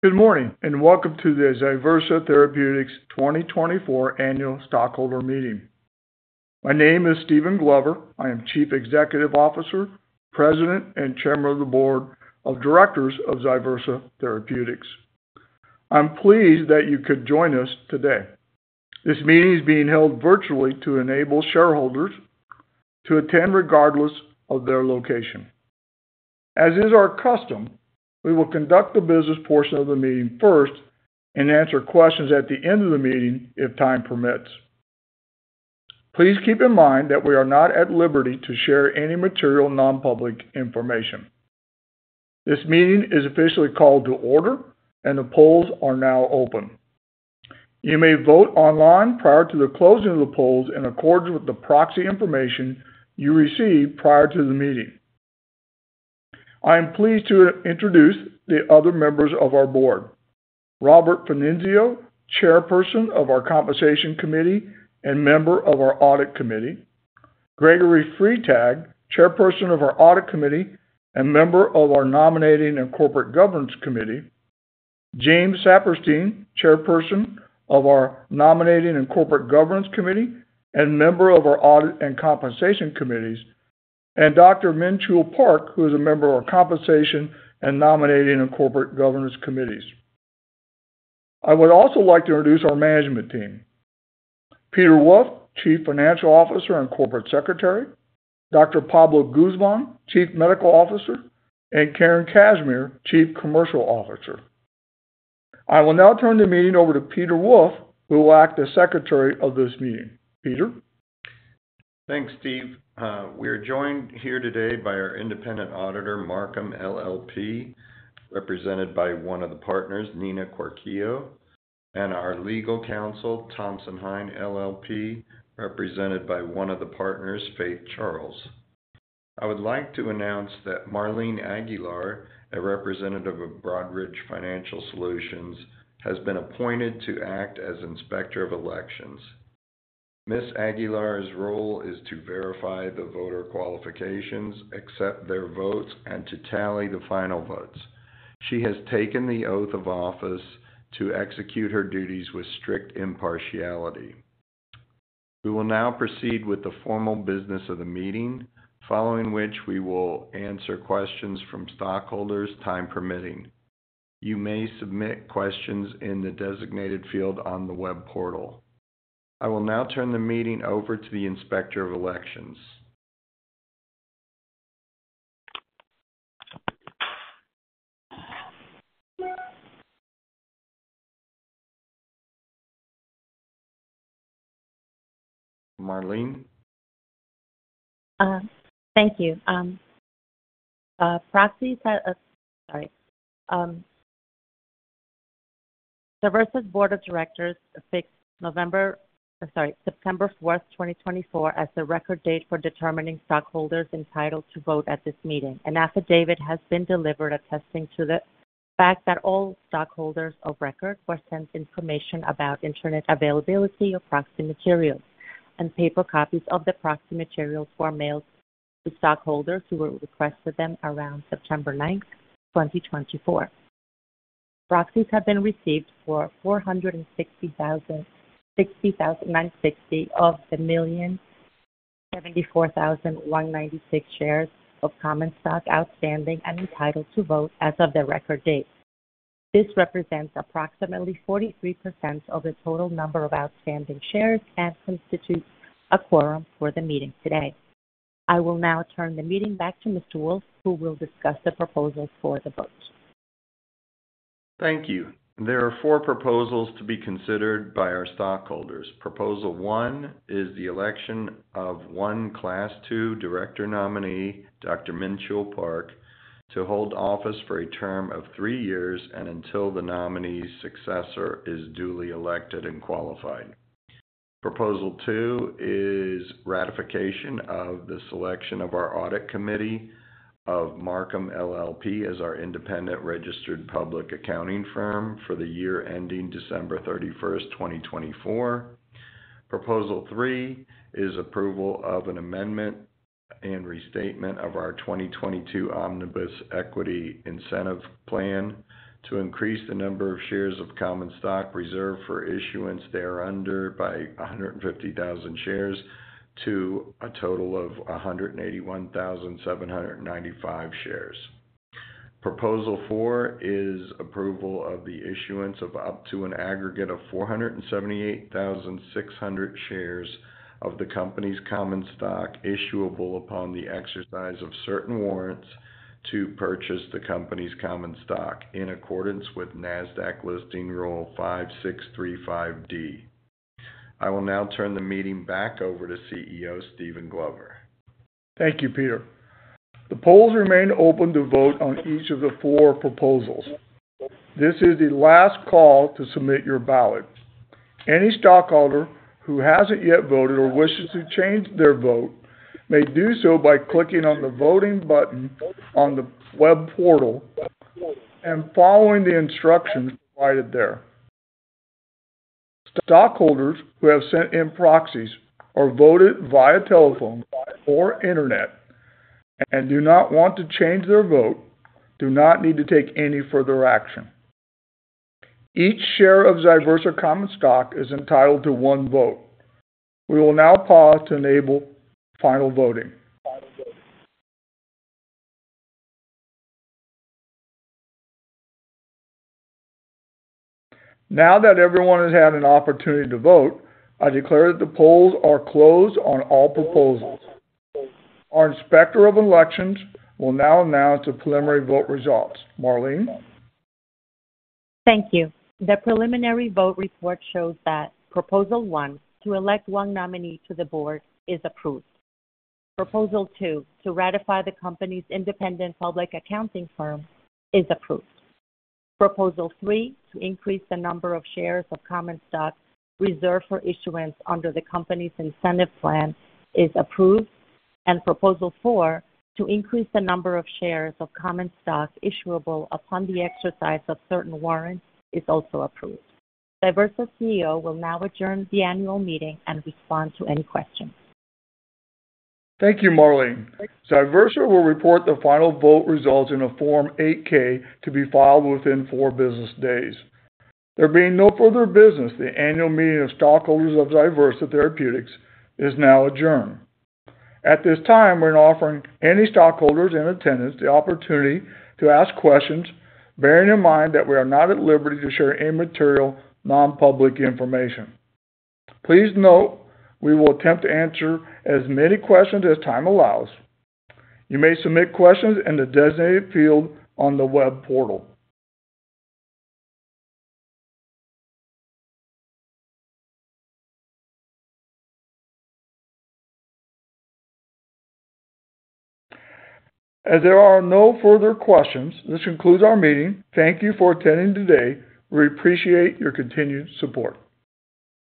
Good morning and welcome to the ZyVersa Therapeutics 2024 annual stockholder meeting. My name is Steven Glover. I am Chief Executive Officer, President, and Chairman of the Board of Directors of ZyVersa Therapeutics. I'm pleased that you could join us today. This meeting is being held virtually to enable shareholders to attend regardless of their location. As is our custom, we will conduct the business portion of the meeting first and answer questions at the end of the meeting if time permits. Please keep in mind that we are not at liberty to share any material non-public information. This meeting is officially called to order, and the polls are now open. You may vote online prior to the closing of the polls in accordance with the proxy information you received prior to the meeting. I am pleased to introduce the other members of our board: Robert Finizio, Chairperson of our Compensation Committee and Member of our Audit Committee. Gregory Freitag, Chairperson of our Audit Committee and Member of our Nominating and Corporate Governance Committee. James Saperstein, Chairperson of our Nominating and Corporate Governance Committee and Member of our Audit and Compensation Committees. And Dr. Minchul Park, who is a member of our Compensation and Nominating and Corporate Governance Committees. I would also like to introduce our management team: Peter Wolf, Chief Financial Officer and Corporate Secretary. Dr. Pablo Guzman, Chief Medical Officer. And Karen Cashmere, Chief Commercial Officer. I will now turn the meeting over to Peter Wolf, who will act as Secretary of this meeting. Peter. Thanks, Steve. We are joined here today by our independent auditor, Marcum LLP, represented by one of the partners, Nina Guagliano, and our legal counsel, Thompson Hine LLP, represented by one of the partners, Faith Charles. I would like to announce that Marlene Aguilar, a representative of Broadridge Financial Solutions, has been appointed to act as Inspector of Elections. Ms. Aguilar's role is to verify the voter qualifications, accept their votes, and to tally the final votes. She has taken the oath of office to execute her duties with strict impartiality. We will now proceed with the formal business of the meeting, following which we will answer questions from stockholders time permitting. You may submit questions in the designated field on the web portal. I will now turn the meeting over to the Inspector of Elections. Marlene? Thank you. ZyVersa's Board of Directors fixed September 4, 2024, as the record date for determining stockholders entitled to vote at this meeting. An affidavit has been delivered attesting to the fact that all stockholders of record were sent information about internet availability of proxy materials and paper copies of the proxy materials were mailed to stockholders who requested them around September 9, 2024. Proxies have been received for 460,960 of the 1,074,196 shares of common stock outstanding and entitled to vote as of the record date. This represents approximately 43% of the total number of outstanding shares and constitutes a quorum for the meeting today. I will now turn the meeting back to Mr. Wolf, who will discuss the proposals for the vote. Thank you. There are four proposals to be considered by our stockholders. Proposal one is the election of one Class II Director nominee, Dr. Minchul Park, to hold office for a term of three years and until the nominee's successor is duly elected and qualified. Proposal two is ratification of the selection of our Audit Committee of Marcum LLP as our independent registered public accounting firm for the year ending December 31, 2024. Proposal three is approval of an amendment and restatement of our 2022 Omnibus Equity Incentive Plan to increase the number of shares of common stock reserved for issuance thereunder by 150,000 shares to a total of 181,795 shares. Proposal four is approval of the issuance of up to an aggregate of 478,600 shares of the company's common stock issuable upon the exercise of certain warrants to purchase the company's common stock in accordance with Nasdaq Listing Rule 5635(d). I will now turn the meeting back over to CEO Steven Glover. Thank you, Peter. The polls remain open to vote on each of the four proposals. This is the last call to submit your ballot. Any stockholder who hasn't yet voted or wishes to change their vote may do so by clicking on the voting button on the web portal and following the instructions provided there. Stockholders who have sent in proxies or voted via telephone or internet and do not want to change their vote do not need to take any further action. Each share of ZyVersa common stock is entitled to one vote. We will now pause to enable final voting. Now that everyone has had an opportunity to vote, I declare that the polls are closed on all proposals. Our Inspector of Elections will now announce the preliminary vote results. Marlene? Thank you. The preliminary vote report shows that Proposal One, to elect one nominee to the board, is approved. Proposal Two, to ratify the company's independent public accounting firm, is approved. Proposal Three, to increase the number of shares of common stock reserved for issuance under the company's incentive plan, is approved, and Proposal Four, to increase the number of shares of common stock issuable upon the exercise of certain warrants, is also approved. ZyVersa CEO will now adjourn the annual meeting and respond to any questions. Thank you, Marlene. ZyVersa will report the final vote results in a Form 8-K to be filed within four business days. There being no further business, the annual meeting of stockholders of ZyVersa Therapeutics is now adjourned. At this time, we're offering any stockholders and attendees the opportunity to ask questions, bearing in mind that we are not at liberty to share any material non-public information. Please note we will attempt to answer as many questions as time allows. You may submit questions in the designated field on the web portal. As there are no further questions, this concludes our meeting. Thank you for attending today. We appreciate your continued support.